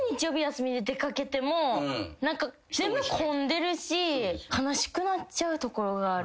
休みで出掛けても何か全部混んでるし悲しくなっちゃうところがある。